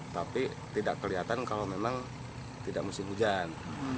tapi tidak kelihatan kalau memang tidak musim hujan